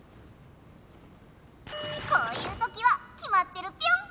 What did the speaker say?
こういうときはきまってるピョン！